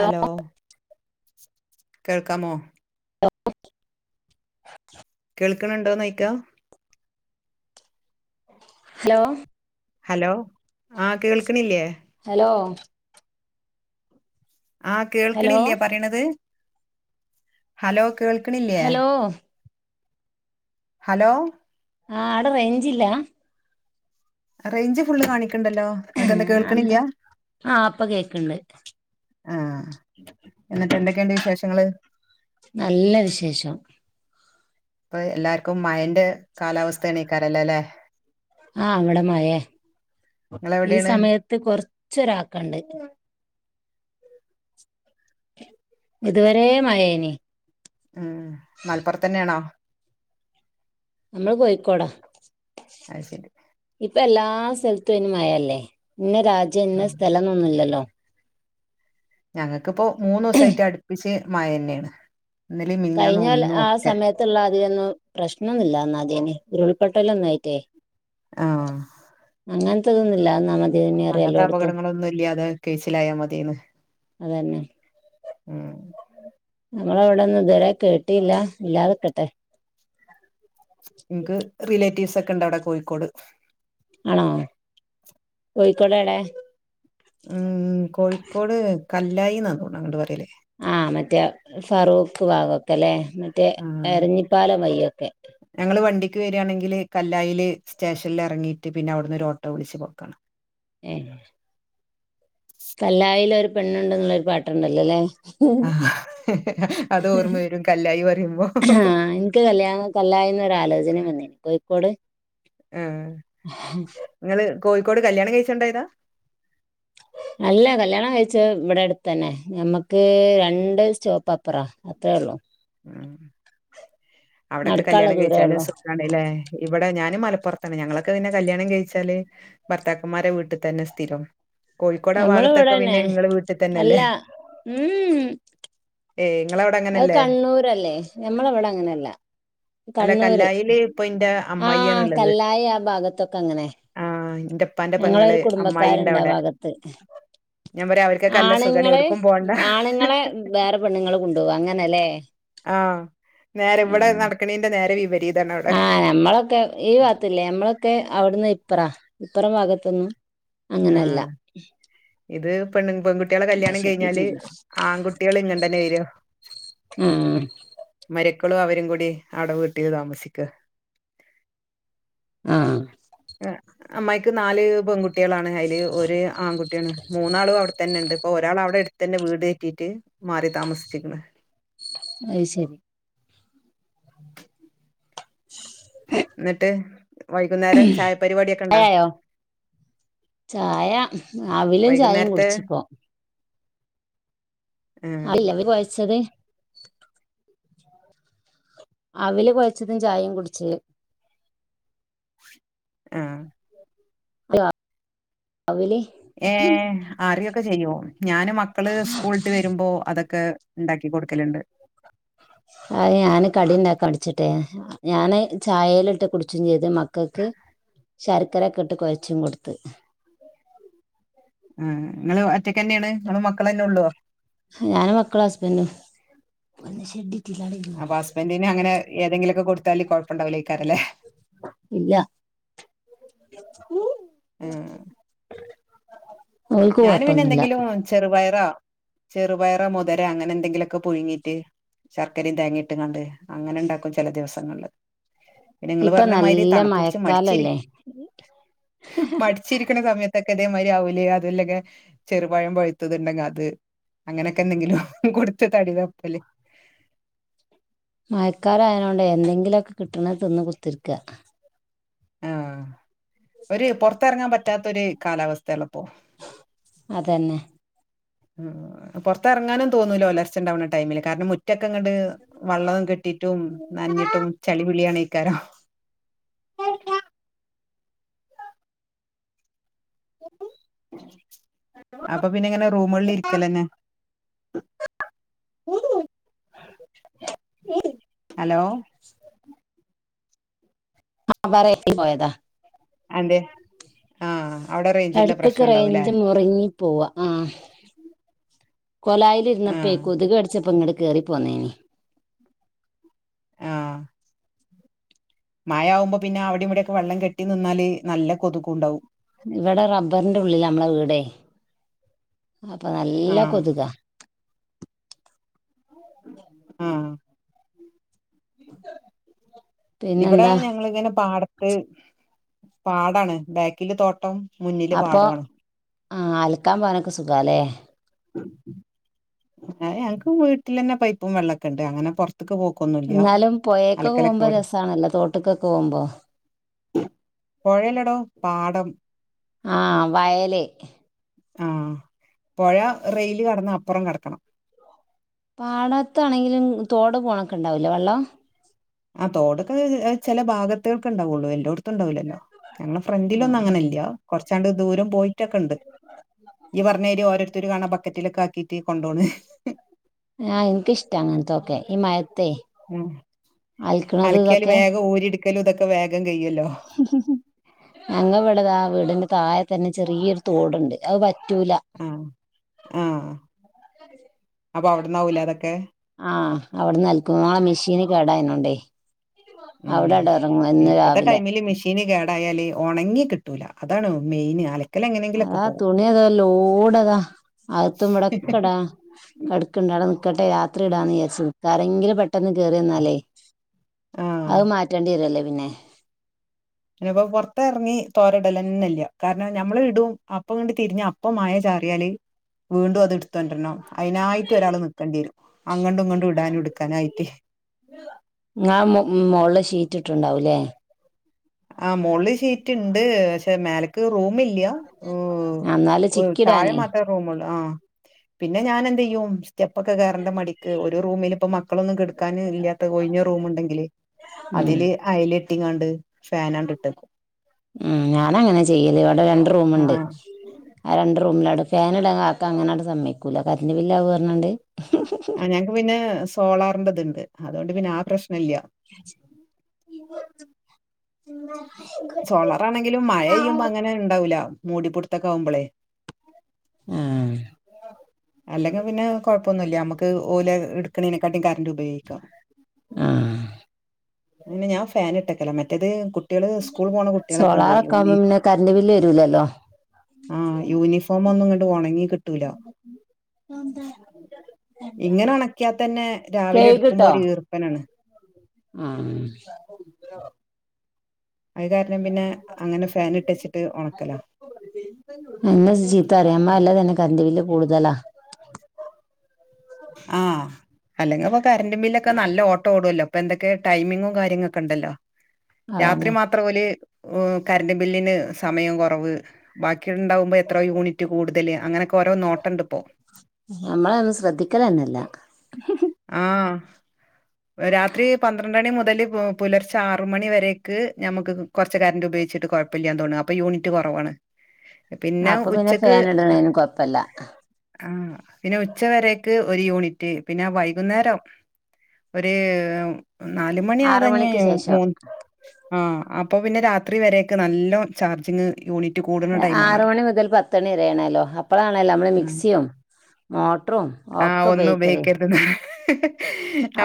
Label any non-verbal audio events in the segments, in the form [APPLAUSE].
Hello കേൾക്കാമോ കേൾക്കണ്ണ്ടോന്നൊയിക്കാ hello hello ആഹ് കേൾക്ണില്ലേ ഹലോ ആഹ് ഹലോ കേൾക്കണില്ലെ പറെണത് ഹലോ കേൾക്കിണില്ലെ ഹലോ ഹലോ ആഹ് ആടെ റേഞ്ച്ല്ല റേഞ്ച് ഫുള്ള് കാണിക്കണ്ടല്ലോ ആഹ് നിങ്ങക്കെന്താ ന്ത കേൾക്കണില്ല അഹ് ഇപ്പ കേക്കണ്ട് ആഹ് എന്നിട്ട് എന്തക്കെണ്ട് വിശേഷങ്ങള് നല്ല വിശേഷം ഇപ്പൊ എല്ലാർക്കും മയന്റെ കാലാവസ്ഥ ആണ്യ്ക്കാരല്ലെ ല്ലെ ആഹ് ഇവിടെ മയേ ഈ നിങ്ങളെവിടെയാണ് സമയത്ത് കൊറച്ചൊരാക്കണ്ട് ഇത്വരെ മയേനി ഉം മൽപൊർതന്നെയാണോ നമ്മള് കോയിക്കോടാ അത് ശരി ഇപ്പ എല്ലാ സലത്തും അയ്‌ന് മയാല്ലേ ഇന്ന രാജ്യം ഇന്ന സ്ഥലംന്നൊന്നുല്ലല്ലോ ഞങ്ങക്കിപ്പോ മൂന്നുസയിറ്റ് അടുപ്പിച്ച് മയന്നെണ് ഇന്നലേം മിനിഞ്ഞന്നും ഒന്നും ഒക്കെ ത്ള്ള ആത്യെന്നും പ്രശ്നൊന്നില്ലാ എന്നാദേന് ഉരുൾപ്പൊട്ടല്ലോന്നായിറ്റേ ആഹ് അങ്ങൻതിതൊന്നുല്ല നമ അങ്ങത്തപകടങ്ങളൊന്നുല്ല്യാതെ കേസിലായാ മതിന്ന് അതന്നെ ഉം നമ്മള അവിടന്ന് ഇതുവരെ കേട്ടില്ല ഇല്ലാത്ക്കട്ടെ ഇൻക്ക് റിലേറ്റീവ്സ് ഒക്കെണ്ട് അവിടെ കോയിക്കോട് അണോ കോയിക്കോട് എടെ ഉം കോഴിക്കോട് കല്ലായിന്നാന്നൊന്ന് അങ്ങട്ട് പറയല് ആഹ് മറ്റേ ഫറൂക്ക് ഭാഗൊക്കെ അല്ലെ മറ്റേ എരഞ്ഞിപ്പാല വയ്യൊക്കെ ഞങ്ങൾ വണ്ടിക്ക് വരണക്കിൽ ഇറങ്ങിയിട്ട് കല്ലായിൽ സ്റ്റേഷൻ പിന്നെ അവിടുന്ന് ഒരു ഓട്ടോ പിടിച്ചു പോകണ്ണം ഏഹ് കല്ലായിലൊരു പെണ്ണുണ്ടെന്ന്ള്ള ഒരു പാട്ട്ണ്ടല്ലോല്ലെ ആഹ് അത് ഓർമ്മ വരും കല്ലായി പറയുമ്പോ ആഹ് എനിക്ക് കല്യാണം കല്ലായിന്നൊര് ആലോചനേം വന്നെനിക്ക് കോയിക്കോട് ഉം ങ്ങള് കോയിക്കോട് കല്യാണം കയിച്ചോണ്ടായതാ അല്ല കല്യാണം കഴിച്ച ഇവിടെ അടുത്ത് തന്നെ മ്മക്ക് രണ്ട് സ്റ്റോപ്പ് അപ്പുറ അത്രയേ ഉള്ളൂ ഉം അവിടൊക്കെ നടക്കാനുള്ള കല്യാണം ദൂരേ കഴിച്ചല് ഉള്ളൂ [UNINTELLIGIBLE] ആണല്ലേ ഇവിടെ ഞാനും മലപ്പൊറത്താണ് ഞങ്ങളൊക്കെ പിന്നെ കല്യാണം കയിച്ചാല് ഭർത്താക്കന്മാരെ വീട്ടിൽ തന്നെ സ്ഥിരം കോഴിക്കോട് ആ നമ്മള ഇവിടെ ഭാഗത്തൊക്കെ തന്നെ പിന്നെ ഇങ്ങള് വീട്ടിൽ അല്ല തന്നെയല്ലേ ഉം ഉം ഏ നിങ്ങളവിടെ അത് കണ്ണൂരല്ലേ നമ്മളവിടെ അങ്ങനെയല്ല അല്ല കല്ലായില് ഇപ്പൊ ഇന്റെ ആഹ അമ്മായിയാണ്ള്ളത്. കല്ലായി ആ ഭാഗത്തൊക്കെ അങ്ങനെ ആഹ് ഇന്റെപ്പാന്റെ പെങ്ങള് ഞങ്ങളൊരു അമ്മായിണ്ട് കുടുംബക്കാരുണ്ട അവിടെ. ഭാഗത്ത് ഞാൻ പറയാ അവർക്കൊക്കെ നല്ല സുഖാണ് ആണുങ്ങളെ എവിട്ക്കും പോണ്ട. ആണുങ്ങളെ വേറെ പെണ്ങ്ങൾ കൊണ്ട്പോവാ അങ്ങനല്ലെ ആഹ നേരെ ഇവിടെ നടക്കണീന്റെ നേരെ വിപരീതണ അവിടെ മ്മളൊക്കെ ഈ ഭാഗത്തല്ലേ ഞമ്മളൊക്കെ അവിടന്ന് ഇപ്പ്ര ഇപ്പറം ഭാഗത്തൊന്നും അങ്ങനെയല്ല ആഹ് ഇത് പെൺ പെൺകുട്ടികളെ കല്യാണം കഴിഞ്ഞാല് ഷെട്ടിട്ടില്ല ആൺകുട്ടികൾ ഇങ്ങണ്ടന്നെ വരു ആഹ് മരി ക്കളും അവരും കൂടി അടവീട്ടിൽ താമസിക്ക ആഹ് [UNINTELLIGIBLE] അമ്മായിക്ക് നാല് പെൺകുട്ടികളാണ് അതില് ഒരു ആൺകുട്ടിയാണ് മൂന്നാളും അവിടെത്തന്നെ ഉണ്ട് ഇപ്പൊ ഒരാൾ അവിടെ എടു തന്നെ വീട് കേറ്റിയിട്ട് മാറി താമസിച്ചക്കണ് അത് ശരി ഉ [INAUDIBLE] എന്നിട്ട് വൈകുന്നേരം ചായ പരിപാടൊക്കെ ഉണ്ടോ ചായാ അവിലും ചായയും വൈകുന്നേരത്തെ കുടിച്ചിപോ ഉം അല്ല [UNINTELLIGIBLE] കൊയച്ചത് അവല് കുഴച്ചതും ചായയും കുടിച്ച് ആഹ അവില് ഏ അറിയൊക്കെ ചെയ്യോ ഞാന് മക്കള് സ്കൂളട്ട് വരുമ്പോ അതൊക്കെ ഉണ്ടാക്കി കൊടുക്കലുണ്ട് അത് ഞാന് കടി ഉണ്ടാക്കാൻ മടിച്ചിട്ട് ഞാാന് ചായയില ഇട്ട് കുടിച്ചും ചെയ്ത് മക്കൾക്ക് ശർക്കരയൊക്കെ ഇട്ട് കൊഴച്ചും കൊടുത്ത് ഉം നിങ്ങള്ൾ ഒറ്റയ്ക്ക് തന്നെയാണ് നിങ്ങളും മക്കളന്നെ ഉള്ളോ ഞാന് മക്കളും ഹസ്ബൻഡും. ഷെഡിട്ടില്ലാടിരുന്നോ അപ്പൊ ഹസ്ബന്റിന് അങ്ങന ഏതെങ്കിലൊക്കെ കൊടുത്താല് കുഴപ്പണ്ടാവല്ലോക്കാര അല്ലേ. ഇല്ല ഉം ഓൽക്ക് ഞാൻ പിന്നെ കൊഴപ്പൊന്നുല്ല എന്തെങ്കിലും ചെറുപയറ ചെറുപയറ മുതിര അങ്ങനെ എന്തെങ്കിലുംക്കെ പുഴങ്ങീട്ട് ശർക്കരിതേങ്ങിട്ട് കണ്ട് അങ്ങനെ ഉണ്ടാക്കും ചില ദിവസങ്ങളില് നിങ്ങളൾ ഇപ്പൊ പറഞ്ഞ മാതിരി നല്ല തണുപ്പിടിച്ച് മടിച്ചി മഴക്കാലല്ലേ മിടിച്ചി മടിച്ചിരിക്കണ സമയത്തൊക്കെ അതേ മാതിരി അവല അതല്ലക്കെ ചെറുപഴം പൊഴുത്തത്ണ്ടെങ്കിൽ അത്. അങ്ങനൊക്കെ എന്തെങ്കിലും കൊടുത്ത തടി തപ്പല്. മയക്കാലം അയനോണ്ട് എന്തെങ്കിലുമൊക്കെ കിട്ടണ തിന്ന് കുത്തിരിക്ക. ആഹഒരു പുറത്തിറങ്ങാൻ പറ്റാത്ത ഒരു കാലാവസ്ഥയള്ളപ്പോ അതന്നെ ആ പുറത്ത് ഇറങ്ങാനു തോന്നൂലോലരച്ച ഉണ്ടാവുന്ന ടൈമില് കാരണംമു മുറ്റക്കെങ്ങട്ട് വള്ളം കെട്ടിട്ടും നനനഞ്ഞിട്ടും ചളി പിളി പിളി. അയ്ക്കാരം അപ്പൊ പിന്നെങ്ങനെ റൂമുകളിൽ ഇരിക്കലന്നെ [INAUDIBLE] ഹലോ [INAUDIBLE] ആ [UNINTELLIGIBLE] പോയതാ. അഅന്തെ ആഹ് അവ്ടെ റേഞ്ചിന്റെ പ്രശ്നം ഇണ്ടാവൂല്ലേ കൊയങ്ങി പോവാ ആഹ് [INAUDIBLE] കൊലായിൽ ആഹ് ഇര്ന്നപ്പെകൊതുക് കടിച്ചപ്പോ ഇങ്ങട് കേറി പോന്നേനീ മഴ ആവുമ്പോ പിന്നെ അവടിം ഇവിടെക്കെ വെള്ളം കെട്ടി നിന്നാല് നല്ല കൊതുകുണ്ടാവും ഇവടെ റബ്ബർന്റെ ഉള്ളിലാ നമ്മളെ വീടെ അപ്പ നല്ല ആഹ് കൊതുകാ ആഹ് ഇബടെ പിന്നെന്താ ഞങ്ങളിങ്ങനെ പാടത്ത് പാടാണ് ബാക്കില് തോട്ടം മുന്നില് അപ്പൊ പാടവാണ് ആഹ് അൽക്കാൻ പോകാനൊക്കെ സുഖാല്ലേ അയ് നങ്ങക്ക് വീട്ടിലന്നെ പൈപ്പും വെള്ളെക്കെ ഇണ്ട് അങ്ങനെ പൊർ ത്ക്ക് പോക്കാെന്നു എന്നാലും പൊഴെക്കൊക്കെ പോവുമ്പോ രസാണല്ലോ തോട്ട്ക്കൊക്കെ പോവുമ്പോ പൊഴല്ലടോ പാടം ആഹ് വയല് ആഹ് പൊഴ റെയില് കടന്ന് അപ്പറം കെടക്കണം പാടത്താണെങ്കിലും തോട് പോണൊക്കെ ഇണ്ടാവൂലേ വെള്ളം ആഹ് തോടൊക്കെ ചെല ഭാഗത്ത്ക്കെ ഇണ്ടാവാെള്ളു എല്ലാേട്ത്തും ഇണ്ടാവൂല്ലല്ലോ ഞങ്ങളെ ഫ്രണ്ടിലഒന്നും ആഹ് അങ്ങനെ ഇല്ല കുറച്ചാണ്ട് ദൂരം പോയി റ്റൊക്കെണ്ട് ഇയ്യ് പറഞ്ഞെരി ഓരോര്ത്തര് കാണാ ബക്കറ്റിലൊക്കെ ആക്കീട്ട് കൊണ്ടോണ് ആഹ് ഇൻക്ക് ഇഷ്ട്ടാ അങ്ങൻതെക്കെ ഈ മഴത്തെ ഉം അലക്കണത് അലക്ക്യാല് ഇതൊക്കെ വേഗം ഊരിട്ക്കലും ഇതൊക്കെ വേഗം കയ്യോല്ലോ ഞങ്ങ ഇവടെതാ വീടിന്റെ താഴത്തന്നെ ചെറിയൊര് തേട്ണ്ട് അഅ് വറ്റൂല്ല അഹ് ആഹ് അപ്പ അവിട്ന്നാവുംലെ അതൊക്കെ ആഹ് അവിട്ന്നൽക്കും ങ്ങളെ മെഷീന് കേടായിന്നോണ്ടേ അവ്ടെട്എറങ്ങും എന്നുംരാവിലെ ഷീന് കേടായാല് ഒണങ്ങി കിട്ടൂല അതാണ് മെയിന് അല അതാ തുണിയതാ ലോടതാ അകത്തും ഇവടെക്കടാ കട്ക്ക്ണ്ട് ആടെ നിക്കട്ടെ രാത്രി ഇടാന്ന് ഇയാരിച് ആരെങ്കിലും പെട്ടെന്ന് കേറ്യന്നാലേ ആഹ് അഅ് മാറ്റേണ്ടി വരൊല്ലാെ പിന്നെ പിന്നപ്പൊ പാെറത്ത് എർങ്ങി തോരടലന്നെല്ല കാരണം നമ്മള് ഇടും അപ്പ ങ്ങട്ട് തിരിഞ്ഞപ്പ് അപ്പ മഴ ചാറിയാല് വീണ്ടും അത് ഇട്ത്താെണ്ട്രരണം അയ്നായിട്ട് ഒരാള് നിക്കണ്ട്യരും അങ്ങട്ടും ഇങ്ങട്ടും ഇടാനും ഇട്ക്കാനായിട്ട് ങ്ങ മോ മോൾല് ഷീറ്റ് ഇട്ട്ണ്ടാവുല്ലേ ആഹ് മോള്ല്ഷീറ്റ് ഇണ്ട് പക്ഷെ മേലക്ക് റൂം മില്ല്യ എന്നാല് ഏ് താഴെ ചിക്കിടാനേ മാത്ര റൂം ഉണ്ട് ആഹ് പിന്നെ ഞാനഎന്തെയ്യും സ്റ്റെപ്പൊക്കെ കേറണ്ട മടിക്ക് ഒരു റൂമില് പ്പൊ മക്കളൊന്നും കെട്ക്കാൻ ഇല്ലാത്ത ഒഴിഞ്ഞ റൂം ഇണ്ടെങ്കിലെ ഉം അയലെട്ടിങ്ങാണ്ട് ഫാനാൻ ഇട്ടക്കും ഉം ഞാനഅങ്ങനെ ചെയ്യല് ഇവടെ രണ്ട് റൂമ്ണ്ട് ആഹ് ആഹ് രണ്ട് റൂമിലാടും ഫാന്ഇടാൻ കാക്ക അങ്ങനെട് സമ്മയ്ക്കൂല കര്ന്റ് ബില്ല് ആവും പറഞ്ഞാണ്ട് ക്ക്പിന്നെ സോളാറിന്റെത്ണ്ട് അതാേണ്ട് പിന്നെ ആ പ്രശ്ന ഇല്ല്യ സോളാറാണെങ്കിലും മഴെയ്യുമ്പോ അങ്ങനെൻ ഇണ്ടാവൂല മൂടിപ്പുട്ത്തൊക്കെ ആവുമ്പളേ ആഹ് അല്ലെങ്കി പിന്നെ കാെഴപ്പൊന്നുംല്ല നമ്മക്ക് ഓല് ഇട്ക്ക്ണേനെക്കാട്ടിം കരണ്ട് ഉപയോഗിക്കാം ആഹ് പിന്നെ ഞാൻ ഫാൻ ഇട്ടക്കലാ മറ്റേത് കുട്ടികള് സ്കൂള് പോണ കുട്ട്യാളെക്കെ ഇണ്ട് സോളാറൊക്കെ യൂനി ആവുമ്പോ പിന്നെ കറന്റ് ബില്ല് വരൂലല്ലോ ആഹ് യൂണിഫോമൊന്നും ഇങ്ങട്ട് ഒണങ്ങി കിട്ടൂലാ അഎന്താ ഇങ്ങനെ ഒണക്ക്യാതന്നെ രാവിലെ എട്ക്കുമ്പോ കേക്ക്ട്ടോ ഒരു ഈർപ്പനാണ് [UNINTELLIGIBLE] അത് കാരണം പിന്നെ അങ്ങനെ ഫാൻ ഇട്ട് വെച്ചിട്ട് ഒണക്കലാ എന്നെ ചീത്തറിം അമ്മ അല്ലാതെ തന്നെ കറന്റ്‌ ബില്ല് കൂടുതലാ ആഹ് അല്ലെങ്കിപ്പൊ കറന്റ്‌ ബില്ലൊക്കെ നല്ല ഓട്ടഓടുല്ലോ ഇപ്പൊ എന്തൊക്കെ ടൈമിങ്ങും കാര്യങ്ങളൊക്കെ ഉണ്ടല്ലോ രാത്രി അതന്നെ മാത്ര ഓല് കറന്റ് ബില്ലിന് സമയം കൊറവ് ബാക്കിണ്ടാവുമ്പോ എത്ര യൂണിറ്റ് കൂടുതല് അങ്ങനെയൊക്കെ ഓരോ നോട്ടണ്ട്പ്പോ നമ്മള് അതൊന്നും ശ്രദ്ധിക്കലന്നെല്ല ആഹ് രാത്രി പന്ത്രണ്ടണി മുതല് പുലർച്ചെ ആറ് മണി വരേക്ക് ഞമ്മക്ക് കൊർച്ച് കരണ്ട് ഉപയോഗിച്ചിട്ട് കൊഴപ്പല്ല തോണ് അപ്പ യൂണിറ്റ് കുറവാണ് പിന്നെ അപ്പൊ ഉച്ചക്ക് ഫാൻ ഇടണേന് കൊഴപ്പല്ല ആഹ് പിന്നെ ഉച്ചവരക്ക് ഒരു യൂണിറ്റ് പിന്നെ വൈ കുന്നേരം ഒരു ആറ് നാലുമണിയതാഞ്ഞ് മണിക്ക് ശേഷം മൂന്ന് ആഹ് അപ്പൊ പിന്നെ രാത്രി വരേക്ക് നല്ല ചാർജിങ്ങ് യൂണിറ്റ് കൂടും ആറ് മണി മുതൽ പത്ത്മണി വരേണേലോ അപ്പളാണല്ലോ നമ്മള് ഉം. മിക്സിയും മോട്ടറും ഒക്കെ ഉപയോ ഉപയോഗിക്കര്ത് നാണ്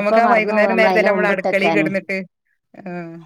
അപ്പൊ ആ മറന്നു പോകും വൈകുന്നേരം നേര്ത്തല്ലേ അയിന്റെ നമ്മള് അടുക്കളീ മുമ്പിട്ടക്കാന് കെടന്നിട്ട് ആഹ്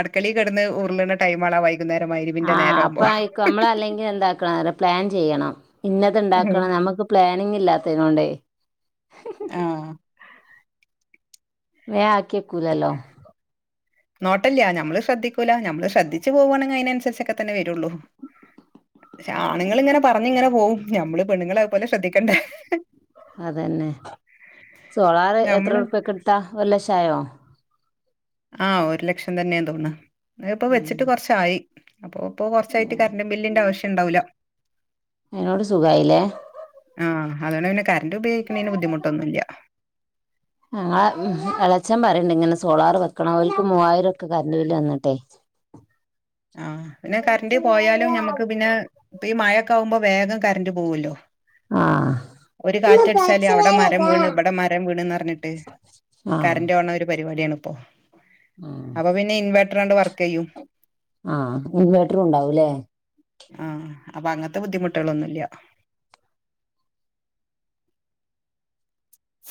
അട്ക്കളീ കെടന്ന് ഉരുളണ ടൈം ആണ് വൈ കുന്നേരം മയ്രി ആഹ് അപ്പഅയ്ക്കും നമ്മള് അല്ലെങ്കിൽ എന്താക്കണം പ്ലാൻ ചെയ്യണം ഇന്നത് ഉം. ഇണ്ടാക്കണം നമ്മുക്ക് പ്ലാനിങ്ങ് ഇല്ലാത്തതിനെകൊണ്ടേ ആഹ് വേ ആക്കിവക്കൂലല്ലോ നോട്ടല്ല നമ്മള് ശ്രദ്ധിക്കൂല നമ്മള് ശ്രദ്ധിച്ച് പോകുവാണെങ്കി അതിനനുസരിച്ചൊക്കെ തന്നെ വരുള്ളൂ പക്ഷേ ആണുങ്ങള്ങ്ങനെ പറഞ്ഞ് ഇങ്ങനെ പോകും നമ്മള് പെണ്ണുങ്ങള് അത്പോലെ ശ്രദ്ധിക്കണ്ടേ അതന്നെ സോളാറ് ഞമ്മള് എത്രറുപ്യക്ക് എടുത്താ ഒരു ലക്ഷായോ ആഹ് ഒരു ലക്ഷം തന്നെയാ തോൺണ്ണ് ഇപ്പൊ ഉം വെച്ചിട്ട് കൊർച്ചായി അപ്പൊ ഇപ്പോ കൊർച്ചായിട്ട് ഉം. കറണ്ട് ബില്ലിന്റെ ആവശ്യണ്ടാവൂല അതിനോട് സുഖായില്ലേ ആഹ് അതൊണ്ട് പിന്നെ കററ്റ് ഉപയോഗിക്കുന്നതിന് ബുദ്ധിമുട്ടൊന്നുല്ല ആഹ് ഉം എളച്ചൻ പറിണ്ട് ഇങ്ങനെ സോളാർ വെക്കണം ഓൽക്ക് മൂവായിരം ക്ക് കറന്റ് ബില്ല് വന്നിട്ടെയ്. ആഹ് പിന്നെ കറൻറ് പോയാലും ഞമ്മക്ക് പിന്നെ ഈ മഴയൊക്കെ ആകുമ്പോ വേഗം കറന്റ് പോവുല്ലോ. ആ ഒരു കാറ്റടിച്ചാല് അവിടെ മരം വീണ് ഇവിടെ മരം വീണ്ന്നർഞ്ഞിട്ട്. ആ കറന്റ് പോണ ഒരു പരിപാടിയാണ് ഇപ്പോ ആ അപ്പൊ പിന്നെ ഇൻവേട്രാണ്ട് വർക്ക് ചെയ്യും. ആഹ് ഇൻവേട്ടറും ഉണ്ടാവൂല്ലേ? ആഹ് അപ്പൊ അങ്ങൻത്തെ ബുദ്ധിമുട്ടുകളൊന്നുംല്ല്യ. സ്